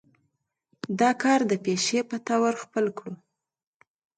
دا کار د پيشې پۀ طور خپل کړو